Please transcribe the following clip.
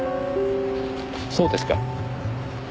そうですか。